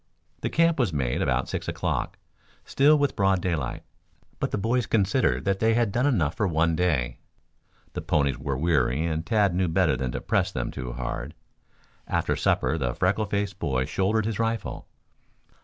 The camp was made about six o'clock, still with broad daylight, but the boys considered that they had done enough for one day. The ponies were weary and Tad knew better than to press them too hard. After supper the freckle faced boy shouldered his rifle.